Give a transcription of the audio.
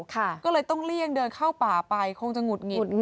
ก็เลยต้องเลี่ยงเดินเข้าป่าไปคงจะหงุดหงิด